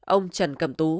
ông trần cầm tú